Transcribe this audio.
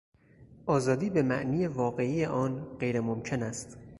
آزادی بهمعنی واقعی آن غیر ممکن است.